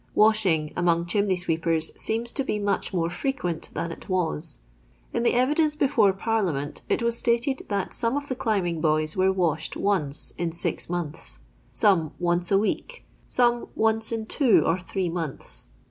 Wcahing among chimney sweepers seems to be much more frequent than it was. In the evi dence before Parliament it was stated that some of the climbing boys were washed once in six months, some once a week, some once in two or three months.